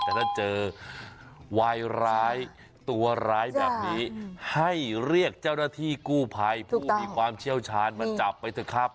แต่ถ้าเจอวายร้ายตัวร้ายแบบนี้ให้เรียกเจ้าหน้าที่กู้ภัยผู้มีความเชี่ยวชาญมาจับไปเถอะครับ